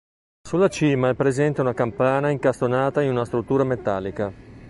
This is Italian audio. Sulla cima è presente una campana incastonata in una struttura metallica.